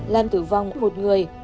làm tử vong một người